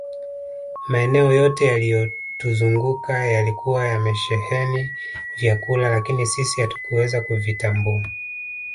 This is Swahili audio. Maeneo yote yaliyotuzunguka yalikuwa yamesheheni vyakula lakini sisi hatukuweza kuvitambua